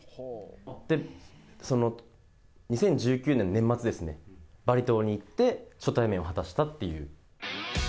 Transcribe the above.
で、２０１９年年末ですね、バリ島に行って、初対面を果たしたっていう。